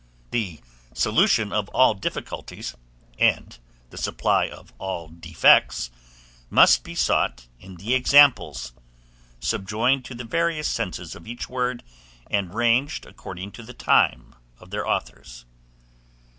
The solution of all difficulties, and the supply of all defects must be sought in the examples, subjoined to the various senses of each word, and ranged according to the time of their authors.